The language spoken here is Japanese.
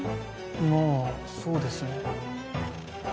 まあそうですね。